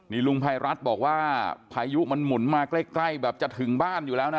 นี่ลุงภัยรัฐบอกว่าพายุมันหมุนมาใกล้แบบจะถึงบ้านอยู่แล้วนะ